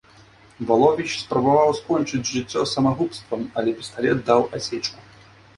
Валовіч спрабаваў скончыць жыццё самагубствам, але пісталет даў асечку.